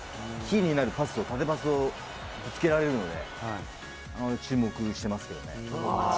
キーになるパスを縦パスをぶつけられるので、注目してますけどね。